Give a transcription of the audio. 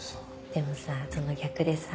でもさその逆でさ